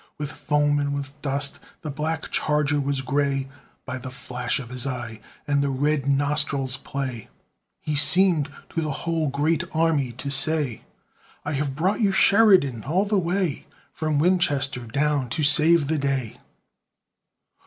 With foam and with dust the black charger was gray; By the flash of his eye, and the red nostril's play, He seemed to the whole great army to say: "I have brought you Sheridan all the way From Winchester down to save the day."